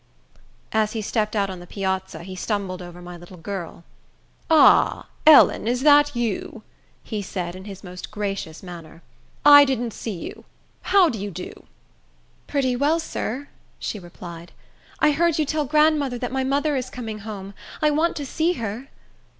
As he stepped out on the piazza, he stumbled over my little girl. "Ah, Ellen, is that you?" he said, in his most gracious manner. "I didn't see you. How do you do?" "Pretty well, sir," she replied. "I heard you tell grandmother that my mother is coming home. I want to see her."